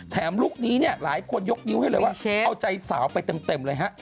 ลุคนี้เนี่ยหลายคนยกนิ้วให้เลยว่าเอาใจสาวไปเต็มเลยฮะ